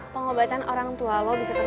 pengobatan orang tua lo bisa terjadi